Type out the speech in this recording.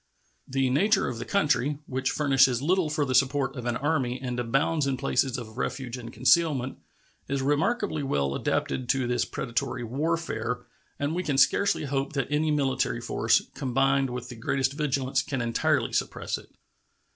The nature of the country, which furnishes little for the support of an army and abounds in places of refuge and concealment, is remarkably well adapted to this predatory warfare, and we can scarcely hope that any military force, combined with the greatest vigilance, can entirely suppress it.